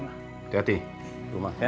hati hati rumah ya